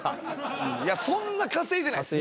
いやそんな稼いでないです